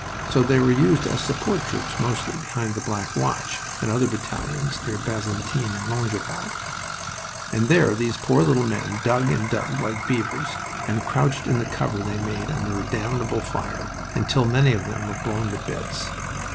So they were used as support troops mostly, behind the Black Watch and other battalions near Bazentin and Longueval, and there these poor little men dug and dug like beavers and crouched in the cover they made under damnable fire, until many of them were blown to bits.